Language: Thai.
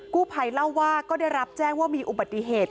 กู้ภัยเล่าว่าก็ได้รับแจ้งว่ามีอุบัติเหตุ